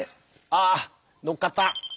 ああのっかった。